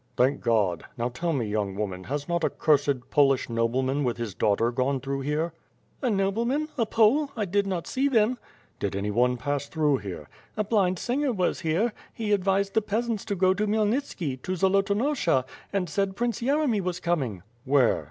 "Thank God! Now, tell me young woman, has not a cursed Polish nobleman with his daughter gone through here?" "A nobleman? A Pole? I did not see them." "Did anyone pass through here?" "A blind singer was here. He advised the peasants to go to Khmyelnitski, to Zolotonosha, and said Prince Yeremy was coming." "Where?"